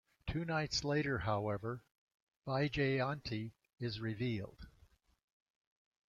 Two nights later however, Vyjayanti is revealed.